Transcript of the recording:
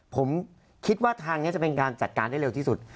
ผมคิดว่าทางนี้จะเป็นการจัดการได้เร็วที่สุด